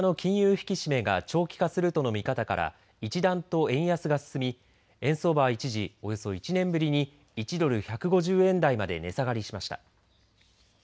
引き締めが長期化するとの見方から一段と円安が進み円相場は一時、およそ１年ぶりに１ドル１５０円台まで値下がりしました。